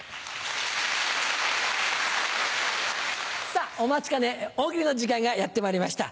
さぁお待ちかね大喜利の時間がやってまいりました。